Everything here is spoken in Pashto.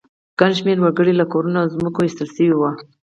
ګڼ شمېر وګړي له کورونو او ځمکو ایستل شوي وو